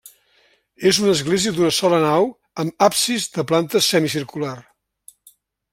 És una església d'una sola nau amb absis de planta semicircular.